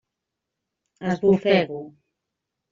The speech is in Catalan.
Esbufego.